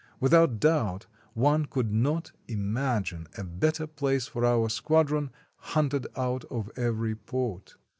Without doubt, one could not imagine a better place for our squadron, hunted out of every port.